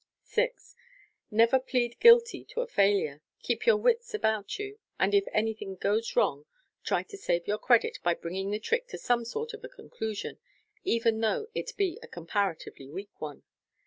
6. Never plead guilty to a failure. Keep your wits about you, and if anything goes wrong, try to save your credit by bringing the trick to some sort of a conclusion, even though it be a comparatively weak one.